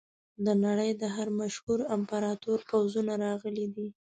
د نړۍ د هر مشهور امپراتور پوځونه راغلي دي.